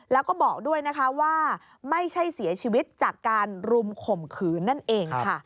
แล้วก็บอกด้วยนะคะว่าไม่ใช่เสียชีวิตจากการรุมข่มขืนนั่นเองค่ะ